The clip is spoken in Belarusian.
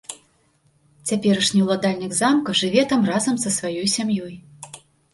Цяперашні ўладальнік замка жыве там разам са сваёй сям'ёй.